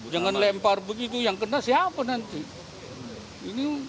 jangan lempar begitu yang kena siapa nanti